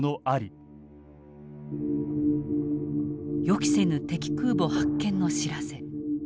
予期せぬ敵空母発見の知らせ。